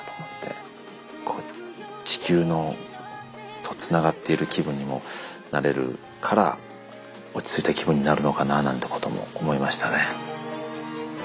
地球とつながっている気分にもなれるから落ち着いた気分になるのかななんてことも思いましたね。